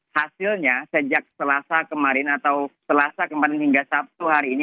hasilnya sejak selasa kemarin atau selasa kemarin hingga sabtu hari ini